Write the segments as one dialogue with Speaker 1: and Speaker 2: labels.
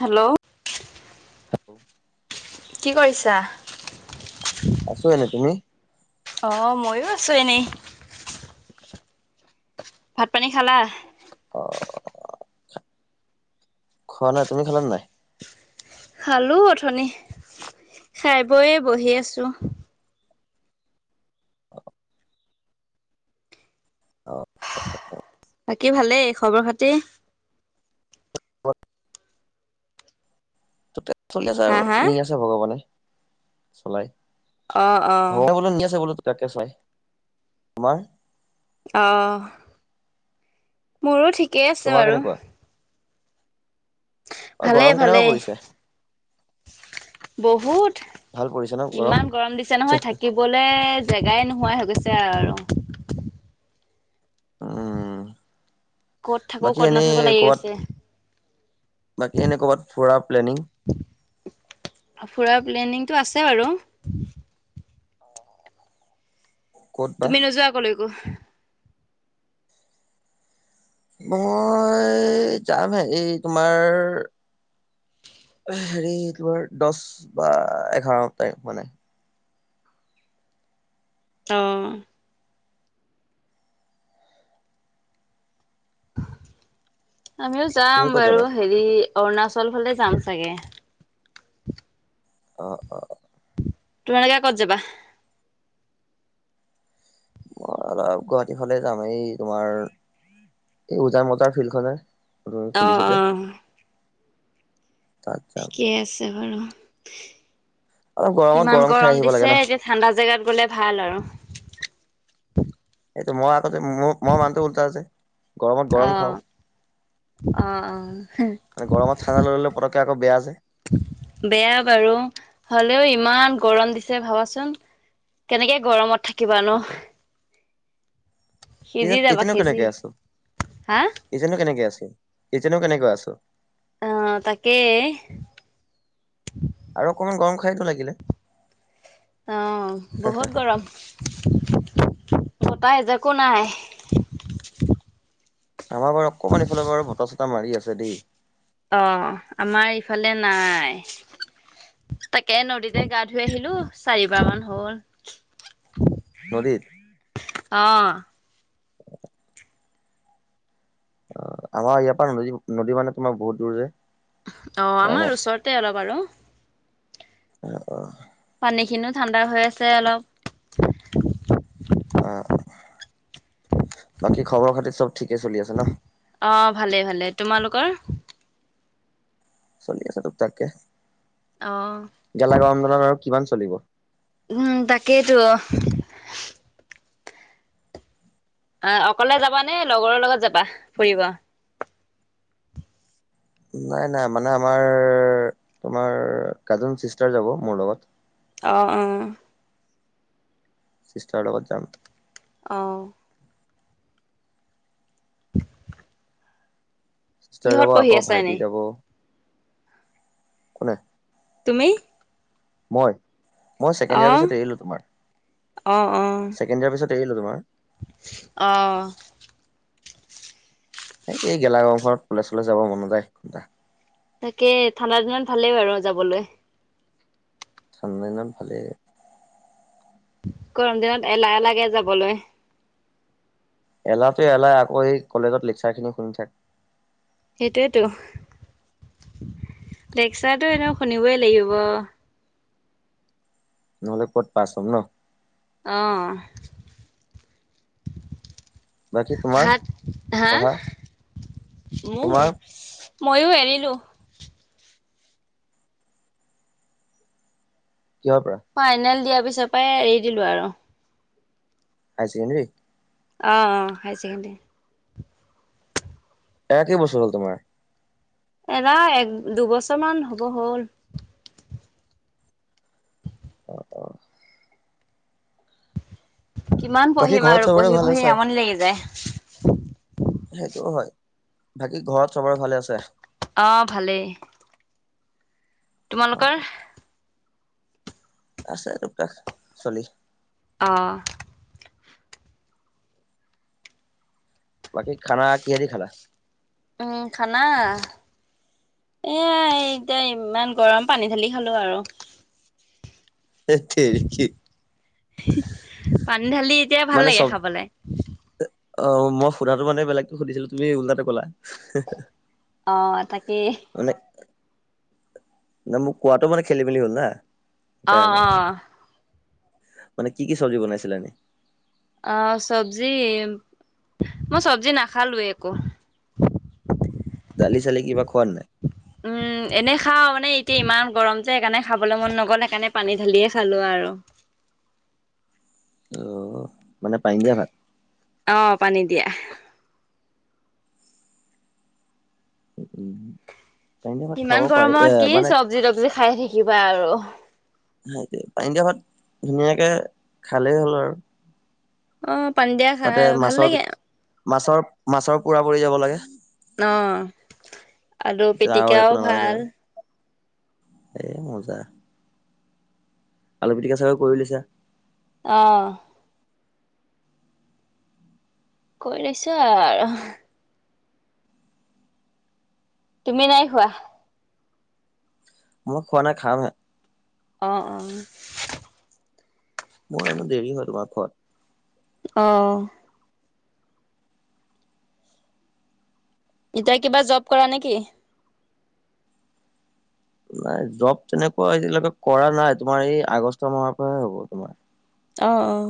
Speaker 1: Hello কি কৰিছা?
Speaker 2: আছোঁ এনেই, তুমি?
Speaker 1: অ মইয়ো আছো এনেই। ভাত পানী খালা?
Speaker 2: অ খোৱা নাই তুমি খালা নাই?
Speaker 1: খালো অথনি খাই বয়ে বহি আছো।
Speaker 2: অ অ
Speaker 1: বাকী ভালেই খবৰ খাতি?
Speaker 2: ত চলি আছে
Speaker 1: হা
Speaker 2: আৰু
Speaker 1: হা
Speaker 2: নি আছে ভগৱানে চলাই।
Speaker 1: অ অ
Speaker 2: হ বোলো নি আছে বোলো তাকে চাই, তোমাৰ
Speaker 1: আহ মোৰো ঠিকেই আছে
Speaker 2: তোমাৰ
Speaker 1: বাৰু
Speaker 2: কেনেকুৱা অ
Speaker 1: ভালেই
Speaker 2: গৰম কেনেকুৱা
Speaker 1: ভালেই
Speaker 2: পৰিছে?
Speaker 1: বহুত।
Speaker 2: ভাল পৰিছে ন
Speaker 1: ইমান গৰম দিছে নহয় থাকিবলে জেগাই নোহোৱাই হৈ গৈছে। আৰু
Speaker 2: উম
Speaker 1: ক'ত থাকো
Speaker 2: বাকী
Speaker 1: ক'ত
Speaker 2: এনেই
Speaker 1: নাথাকো লাগি
Speaker 2: কৰ'বাত।
Speaker 1: গৈছে।
Speaker 2: বাকী এনে ক'ৰবাত ফুৰা। প্লেনিং
Speaker 1: ফুৰা প্লেনিংটো আছে বাৰু।
Speaker 2: ক'ত বা
Speaker 1: তুমি নোযোৱা কলৈকো?
Speaker 2: মই যামহে এই তোমাৰ হেৰি তোমাৰ দছ বা এঘাৰ তাৰিখ মানে।
Speaker 1: অ। আমিও
Speaker 2: তুমি
Speaker 1: যাম
Speaker 2: ক'ত
Speaker 1: বাৰু
Speaker 2: যাবা
Speaker 1: হেৰি অৰুণাচল ফালে যাম চাগে।
Speaker 2: অ-অ।
Speaker 1: তোমালোকে ক'ত যাবা?
Speaker 2: মই অলপ গুৱাহাটী ফালে যাম। এই তোমাৰ এই উজান বজাৰ ফিল্ড খন যে।
Speaker 1: অঁ-অঁ।
Speaker 2: তাত যাম।
Speaker 1: ঠিকে আছে বাৰু।
Speaker 2: অলপ গৰমত
Speaker 1: ইমান
Speaker 2: খাই
Speaker 1: গৰম
Speaker 2: আহিব লাগে
Speaker 1: দিছে।
Speaker 2: ন
Speaker 1: এতিয়া ঠাণ্ডা জেগাত গলে ভাল আৰু। [inaudible]
Speaker 2: সেইটো মই আগতে মোৰ মই মানুহটো উল্টা যে। গৰমত গৰম
Speaker 1: অ', অ', অ',
Speaker 2: খাওঁ। গৰমত ঠাণ্ডা লৈ ললে পতককে আকৌ বেয়া যে।
Speaker 1: বেয়া বাৰু। হলেও ইমান গৰম দিছে ভাবাচোন। কেনেকে গৰমত থাকিবানো?
Speaker 2: এতিয়া নো
Speaker 1: সিজি
Speaker 2: কেনেকে আছো?
Speaker 1: হা
Speaker 2: এতিয়া নো কেনেকে আছো? এতিয়ানো কেনেকৈ আছো?
Speaker 1: অহ তাকে।
Speaker 2: আৰু অকমান গৰম খাইতো লাগিলে।
Speaker 1: অ বহুত গৰম। বতাহ এজাকো নাই।
Speaker 2: আমাৰ বাৰু অকমান এইফালে পৰা বতাহ চতাহ মাৰি আছে দেই।
Speaker 1: অ, আমাৰ ইফালে নাই। তাকে নদীতে গা ধুই আহিলো। চাৰিবাৰ মান হল।
Speaker 2: নদীত?
Speaker 1: অ।
Speaker 2: [inaudible] অ, আমাৰ ইয়াৰ পৰা নী নদী মানে তোমাৰ বহুত দূৰ যে।
Speaker 1: অ',
Speaker 2: কাৰণে
Speaker 1: আমাৰ ওচৰতে অলপ আৰু।
Speaker 2: অহ - অহ
Speaker 1: সেইখিনিও ঠাণ্ডা হৈ আছে অলপ
Speaker 2: [unintelligible] বাকী খবৰ খাতি চব ঠিকে চলি আছে ন?
Speaker 1: অ, ভালে ভালে। তোমালোকৰ?
Speaker 2: চলি আছে তোক তাককে।
Speaker 1: অ
Speaker 2: গেলা গৰম ডালত আৰু কিমান চলিব?
Speaker 1: উম তাকেইতো। আ অকলে যাবা নে লগৰৰ লগত যাবা ফুৰিব?
Speaker 2: নাই, নাই। মানে আমাৰ তোমাৰ কাজন চিষ্টাৰ যাব মোৰ লগত।
Speaker 1: অ-অ।
Speaker 2: চিষ্টাৰৰ লগত যাম।
Speaker 1: অ।
Speaker 2: চিষ্টাৰ
Speaker 1: কিহত
Speaker 2: যাব
Speaker 1: পঢ়ি
Speaker 2: আকৌ
Speaker 1: আছা এনেই
Speaker 2: ভাইটি যাব। কোনে?
Speaker 1: তুমি।
Speaker 2: মই, মই ছেকেণ্ড
Speaker 1: অ
Speaker 2: ইয়াৰ পিছত এৰিলো তোমাৰ।
Speaker 1: অ অ
Speaker 2: ছেকেণ্ড ইয়ৰ পিছত এৰিলোঁ তোমাৰ।
Speaker 1: অ।
Speaker 2: এই- এই গেলা গৰম খনত উলাই -চুলাই যাব মন নাযায়।
Speaker 1: তাকে ঠাণ্ডা দিনত ভালেই বাৰু যাবলৈ।
Speaker 2: ঠাণ্ডা দিনত ভালেই।
Speaker 1: গৰম দিনত এলাহ লাগে যাবলৈ।
Speaker 2: এলাহটো- এলাহ আকৌ এ কলেজত লেকচাৰ খিনি শুনি থাক।
Speaker 1: সেইটোৱেইটো। লেকচাৰটো এনেও শুনিবই লাগিব।
Speaker 2: নহ'লে ক'ত পাছ হম ন'?
Speaker 1: অ',
Speaker 2: বাকী তোমাৰ
Speaker 1: ভাত হা
Speaker 2: পঢ়া
Speaker 1: মোৰ
Speaker 2: তোমাৰ
Speaker 1: ময়ো এৰিলো।
Speaker 2: কিহৰ পৰা
Speaker 1: ফাইনেল দিয়াৰ পিছত পাই এৰি দিলো আৰু।
Speaker 2: হায় ছেকেণ্ডাৰী?
Speaker 1: অ', -অ', হায় ছেকেণ্ডাৰী।
Speaker 2: এৰা কেই বছৰ হ'ল তোমাৰ?
Speaker 1: এৰা এক -দুবছৰ মান হব হ'ল।
Speaker 2: অ
Speaker 1: কিমান
Speaker 2: বাকী
Speaker 1: পঢ়িম
Speaker 2: ঘৰত
Speaker 1: আৰু
Speaker 2: চবৰে
Speaker 1: পঢ়ি
Speaker 2: ভালে
Speaker 1: -পঢ়ি
Speaker 2: আছে
Speaker 1: আমনি লাগি যায়।
Speaker 2: সেইটোও হয় বাকী ঘৰত চবৰে ভালে আছে?
Speaker 1: অহ, ভালেই।
Speaker 2: অ।
Speaker 1: তোমালোকৰ?
Speaker 2: আছে তোক- তাক চলি।
Speaker 1: অহ
Speaker 2: বাকী খানা কিহে দি খালা?
Speaker 1: উম, খানা এয়াই এতিয়া ইমান গৰম পানী ঢালি খালো আৰু।
Speaker 2: ধেট তেৰী কি
Speaker 1: পানী ঢালি এতিয়া ভাল লাগে খাবলে।
Speaker 2: অহ, মই সুধাটো মানে বেলেগটো সুধিছিলো তুমি ওলটাটো ক'লা [unintelligible]
Speaker 1: অহ, তাকেই।
Speaker 2: মানে ন' মোক কোৱাটো মানে খেলি -মেলি হ'ল না।
Speaker 1: অ',
Speaker 2: সেইকাৰণে
Speaker 1: - অ',
Speaker 2: মানে কি -কি চব্জি বনাইছিলা এনে
Speaker 1: আহ চব্জি মই চব্জি নাখালোৱে একো।
Speaker 2: দালি চালি কিবা খোৱা নে নাই।
Speaker 1: উম, এনে খাও মানে এতিয়া ইমান গৰম যে সেইকাৰণে খাবলে মন নগ'ল সেইকাৰণে পানী ঢালিয়ে খালো আৰু আৰু
Speaker 2: অহ
Speaker 1: অহ, পানী দিয়া।
Speaker 2: [unintelligible] ভাত খাব
Speaker 1: ইমান
Speaker 2: পাৰি এ
Speaker 1: গৰমত কি
Speaker 2: মানে
Speaker 1: চব্জি -তব্জি খাই থাকিবা আৰু।
Speaker 2: সেইটোৱে পানী দিয়া ভাত ধুনীয়াকে খালেই হ'ল আৰু।
Speaker 1: অহ
Speaker 2: তাতে মাছৰ- মাছৰ -মাছৰ পোৰা পৰি যাব লাগে
Speaker 1: অহ, আলু
Speaker 2: তাৰ আৰু একো
Speaker 1: পিটিকাও
Speaker 2: নালাগে
Speaker 1: ভাল।
Speaker 2: আৰু এ মজা। আলু -পিটিকা চাগে কৰি লৈছা?
Speaker 1: অহ কৰি লৈছে আৰু তুমি নাই খোৱা
Speaker 2: মই খোৱা নাই খাম হে।
Speaker 1: অঁ অঁ
Speaker 2: মোৰ এনেও দেৰি হয় তোমাৰ খোৱাত।
Speaker 1: অহ এতিয়া কিবা জব কৰা নেকি
Speaker 2: নাই জব তেনেকুৱা এতিয়ালকে কৰা নাই তোমাৰ এই আগষ্ট মাহৰ পৰাহে হ'ব তোমাৰ
Speaker 1: অহ অ।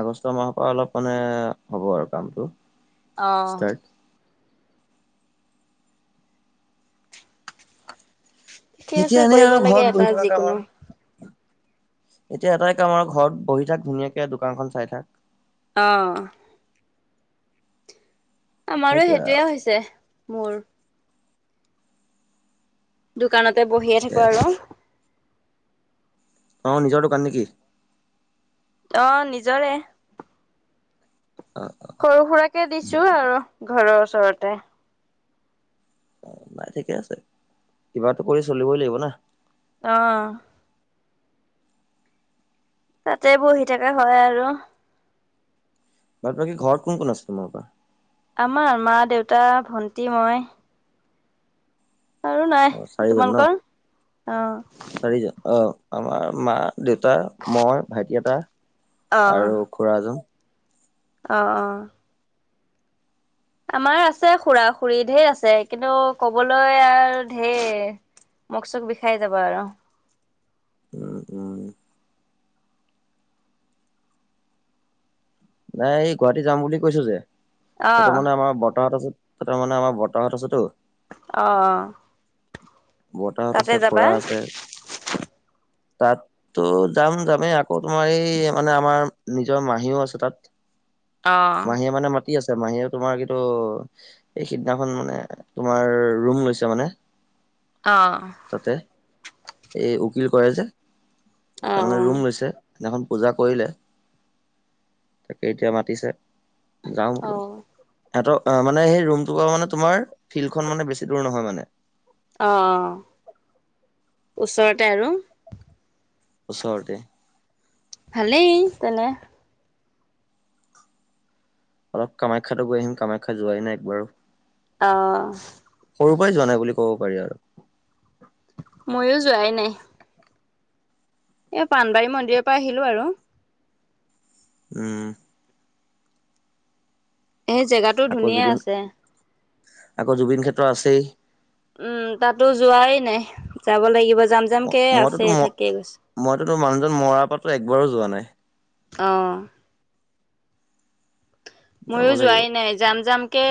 Speaker 2: আগষ্ট মাহৰ পৰা অলপ মানে হ'ব আৰু কামটো
Speaker 1: অহ
Speaker 2: ষ্টাৰ্ট।
Speaker 1: ঠিকে
Speaker 2: এতিয়া
Speaker 1: আছে
Speaker 2: এনেই
Speaker 1: কৰিব
Speaker 2: আৰু
Speaker 1: লাগে
Speaker 2: ঘৰত বহি
Speaker 1: এটা
Speaker 2: থকা কাম
Speaker 1: যিকোনো।
Speaker 2: আৰু এতিয়া এটাই কাম আৰু ঘৰত বহি থাক ধুনীয়াকে দোকানখন চাই থাক।
Speaker 1: অহ আমাৰো
Speaker 2: সেইটোৱে আৰু
Speaker 1: সেইটোয়ে হৈছে মোৰ দোকানতে বহিয়ে
Speaker 2: তাকে
Speaker 1: থাকো আৰু
Speaker 2: অ নিজৰ দোকান নেকি
Speaker 1: অ নিজৰে
Speaker 2: অঁ অ।
Speaker 1: তাকে দিছোঁ আৰু ঘৰৰ ওচৰতে
Speaker 2: অ নাই ঠিকে আছে। কিবাটো কৰি চলিবই লাগিব না
Speaker 1: অহ তাতে বহি থাকা হয় আৰু
Speaker 2: ঘৰত কোন কোন আছে তোমাৰ পৰা
Speaker 1: আমাৰ মা দেউতা ভন্তি মই আৰু নাই
Speaker 2: অ চাৰিজন ন
Speaker 1: তোমালোকৰ অ
Speaker 2: চাৰিজন অহ আমাৰ মা দেউতা মই ভাইটি এটা
Speaker 1: অ
Speaker 2: আৰু খুৰা এজন
Speaker 1: অ অ আমাৰ আছে খুৰা খুুৰী ঢেৰ আছে কিন্তু ক'বলৈ আৰু ঢেৰ মোক চোক বিষাই যাবা আৰু।
Speaker 2: উ উ। নাই এই গুৱাহাটী যাম বুলি কৈছো যে
Speaker 1: অ
Speaker 2: তাত মানে আমাৰ বৰতাহত আছে। ত তাৰ মানে আমাৰ বৰতাহত আছেতো।
Speaker 1: আহ।
Speaker 2: বতাহত আছে খোৰা আছে তাতো যাম যামেই আ। আকৌ তোমাৰ এই মানে আমাৰ নিজৰ মাহীও আছে তাত।
Speaker 1: আহ।
Speaker 2: মাহীয়ে মানে মাতি আছে মাহীয়ে তোমাৰ কিন্তু এই সিদিনাখন মানে তোমাৰ ৰুম লৈছে মানে।
Speaker 1: আহ।
Speaker 2: তাতে এই উকিল কৰে যে
Speaker 1: অ
Speaker 2: তাৰমানে ৰুম লৈছে। সেইদিনাখন পূজা কৰিলে তাকে এতিয়া মাতিছে। যাওঁ
Speaker 1: অ
Speaker 2: বোল এত। অ মানে সেই ৰুমটো মানে তোমাৰ ফিল্ডখন মানে বেছি দূৰ নহয় মানে।
Speaker 1: অ অ ওচৰতে আৰু।
Speaker 2: ওচৰতে।
Speaker 1: ভালেই তেনে।
Speaker 2: অলপ কামাখ্যাতো গৈ আহিম কামাখ্যা যোৱাই নাই একবাৰো।
Speaker 1: অ
Speaker 2: সৰু পৰাই যোৱা নাই বুলি ক'ব পাৰি আৰু।
Speaker 1: ময়ো যোৱাই নাই। এ পানবাৰী মন্দিৰৰ পৰা আহিলো আৰু।
Speaker 2: উম।
Speaker 1: এই জেগাতটো
Speaker 2: আকৌ
Speaker 1: ধুনীয়া
Speaker 2: জুবিন
Speaker 1: আছে।
Speaker 2: আকৌ জুবিন ক্ষেত্ৰ আছেই।
Speaker 1: উম তাতো যোৱাই নাই যাব লাগিব। যাম যামকে
Speaker 2: মইতো
Speaker 1: আছে
Speaker 2: তো
Speaker 1: থাকেই গৈছে।
Speaker 2: মইতো তোৰ মানুহজন মৰা পাতো একবাৰো যোৱা নাই।
Speaker 1: অ।
Speaker 2: যাব
Speaker 1: ময়ো
Speaker 2: লাগিব
Speaker 1: যোৱাই নাই যাম যাম। কে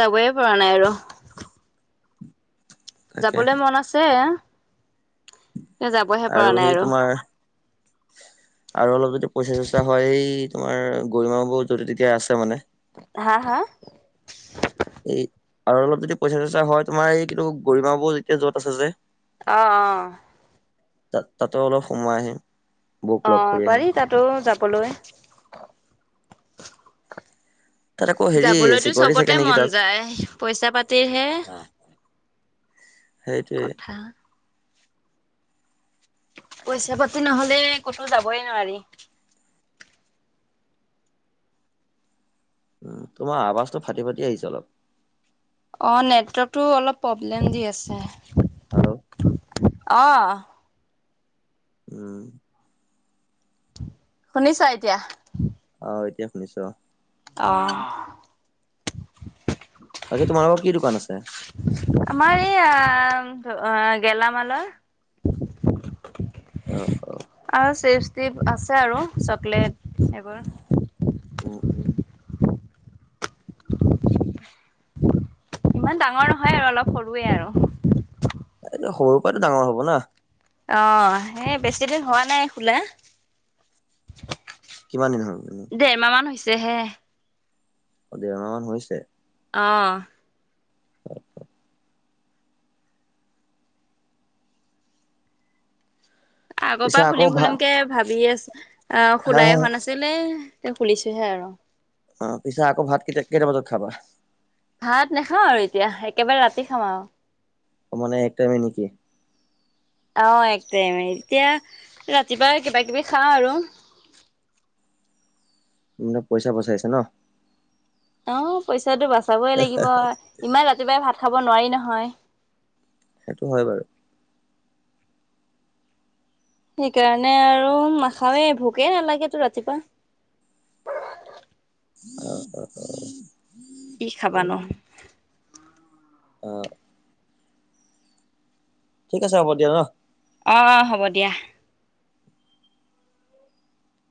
Speaker 1: যাবয় পৰা নাই আৰু।
Speaker 2: তাকে
Speaker 1: যাবলৈ মন আছে। যাবহে পৰা নাই
Speaker 2: সেই
Speaker 1: আৰু।
Speaker 2: তোমাৰ আৰু অলপ যদি পইচা চইচা হয় এই তোমাৰ গৰিমা বৌ যত তেতিয়া আছে মানে।
Speaker 1: হা হা।
Speaker 2: এই আৰু অলপ যদি পইচা চইচা হয় তোমাৰ এই কিতো গৰিমা বৌ এতিয়া যত আছে যে।
Speaker 1: আহ অ।
Speaker 2: তাত তাতো অলপ সমোয় আহি।
Speaker 1: আহ পাৰি তাতো যাবলৈ।
Speaker 2: তাত আকৌ হেৰি
Speaker 1: যাবলৈতো
Speaker 2: চিকৰিটি থাকে
Speaker 1: চবতে
Speaker 2: নেকি
Speaker 1: মন
Speaker 2: তাত
Speaker 1: যায় পইচা পাতিৰহে।
Speaker 2: সেইটোৱে
Speaker 1: কথা। পইচা পাতি নহলে ক'তো যাবই নোৱাৰি।
Speaker 2: উ তোমাৰ আৱাজটো ফাটি ফাটি আহিছে অলপ।
Speaker 1: অ নেটৱৰ্কটো অলপ প্ৰব্লেম দি আছে।
Speaker 2: হেল্ল'।
Speaker 1: অঁ।
Speaker 2: উম।
Speaker 1: শুনিছা এতিয়া।
Speaker 2: অ এতিয়া শুনিছো অ।
Speaker 1: আহ।
Speaker 2: বাকি তোমাৰোকৰ কি দোকান আছে।
Speaker 1: আমাৰ এই আ এ গেলামালৰ।
Speaker 2: অ অ
Speaker 1: আৰু আছে আৰু চকলেট এইবোৰ।
Speaker 2: উম উম
Speaker 1: ইমান ডাঙৰ নহয় আৰু অলপ সৰুৱে আৰু
Speaker 2: এইটো সৰু পৰাটো ডাঙৰ হব না।
Speaker 1: অহ, সেই বেছিদিন হোৱা নাই খোলা।
Speaker 2: কিমান দিন হল এনে?
Speaker 1: চহে
Speaker 2: অ দেৰ মাহ মান হৈছে
Speaker 1: অঁ
Speaker 2: অ
Speaker 1: আগৰ
Speaker 2: পিছে
Speaker 1: পৰা
Speaker 2: আকৌ
Speaker 1: খুলিম
Speaker 2: ভাত
Speaker 1: খুলিম কে ভাবি আছ আহ
Speaker 2: হা
Speaker 1: খোলাই
Speaker 2: হা
Speaker 1: হোৱা নাছিলে তে খুলিছোহে আৰু
Speaker 2: অ পিছে আকৌ ভাত কেইটা বজাত খাবা?
Speaker 1: ভাত নাখাওঁ আৰু এতিয়া একেবাৰে ৰাতি খাম আৰু
Speaker 2: মানে এক টাইম নেকি
Speaker 1: অ একটাইম এতিয়া ৰাতিপুৱাই কিবা কিবি খাওঁ আৰু [unintelligible]
Speaker 2: মানে পইচা বচাইছা ন?
Speaker 1: অ পইচাটো বাচাবই লাগিব ইমান ৰাতিপুৱাই ভাত। খাব নোৱাৰি নহয়।
Speaker 2: সেইটো হয় বাৰু।
Speaker 1: সেইকাৰণে আৰু নাখাওৱে, ভোকেই নালাগেতো ৰাতিপুৱা। অ [unintelligible]
Speaker 2: অ-অ।
Speaker 1: কি খাবা নো?
Speaker 2: অঁ। ঠিক আছে হ'ব দিয়া ন?
Speaker 1: অ-অ হ'ব দিয়া।